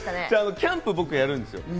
キャンプやるんですよ。